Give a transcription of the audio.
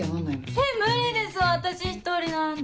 えっ無理です私１人なんて。